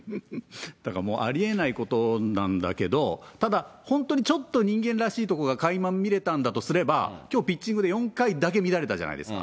だからもう、ありえないことなんだけど、ただ、本当にちょっと人間らしいとこがかいま見れたんだとすれば、きょうピッチングで４回だけ乱れたじゃないですか。